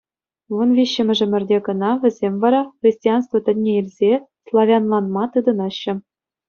Вунвиҫҫӗмӗш ӗмӗрте кӑна вӗсем вара, христианство тӗнне илсе, славянланма тытӑнаҫҫӗ.